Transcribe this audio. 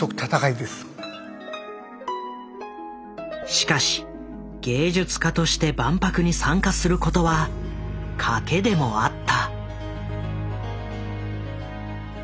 しかし芸術家として万博に参加することは賭けでもあった。